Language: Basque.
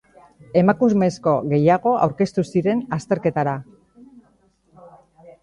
Emakumezko gehiago aurkeztu ziren azterketara.